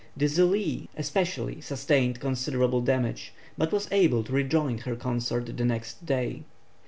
The Zelée especially sustained considerable damage, but was able to rejoin her consort the next day.